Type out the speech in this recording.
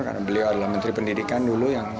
karena beliau adalah menteri pendidikan dulu yang